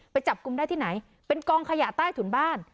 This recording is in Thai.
ไปจับกลุ่มได้ที่ไหนเป็นกองขยะใต้ถุนบ้าน